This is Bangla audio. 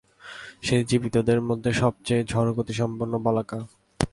সে জীবিতদের মধ্যে সবচেয়ে ঝড়োগতিসম্পন্ন বলাকা।